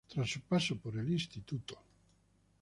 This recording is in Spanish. Tras su paso por el instituto.